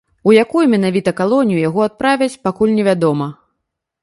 У якую менавіта калонію яго адправяць, пакуль не вядома.